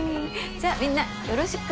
じゃあみんなよろしく。